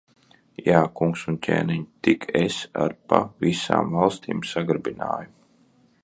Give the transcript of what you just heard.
Jā, kungs un ķēniņ! Tik es ar pa visām valstīm sagrabināju.